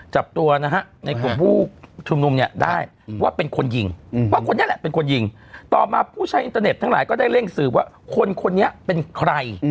จับตัวนะฮะในกลุ่มผู้ชุมนุมเนี่ยได้ว่าเป็นคนยิงว่าคนนี้แหละเป็นคนยิงต่อมาผู้ใช้อินเตอร์เน็ตทั้งหลายก็ได้เร่งสืบว่าคนคนนี้เป็นใคร